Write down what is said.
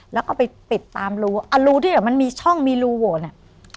แล้วก็ไปปิดตามรูอรูที่เดี๋ยวมันมีช่องมีรูโหวเนี่ย